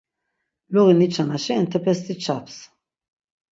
Luği niçanaşi entepesti çaps.